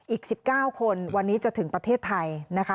อีก๑๙คนวันนี้จะถึงประเทศไทยนะคะ